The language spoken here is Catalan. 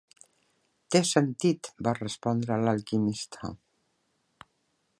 "Té sentit", va respondre l'alquimista.